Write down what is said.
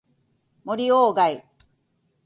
森鴎外